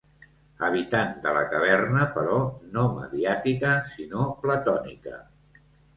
Habitant de la caverna, però no mediàtica sinó platònica.